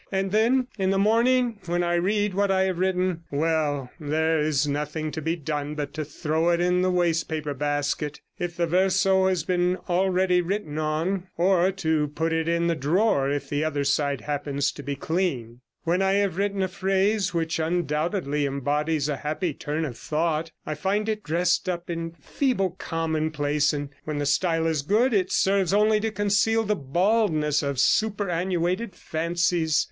And then, in the morning, when I read what I have written Well, there is nothing to be done but to throw it in the waste paper basket, if the verso has been already written on, or to put it in the drawer if the other side happens to be clean. When I have written a phrase which undoubtedly embodies a happy turn of thought, I find it dressed up in feeble commonplace; and when the style is good, it serves only to conceal the baldness of superannuated fancies.